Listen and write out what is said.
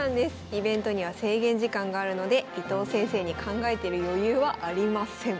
イベントには制限時間があるので伊藤先生に考えてる余裕はありません。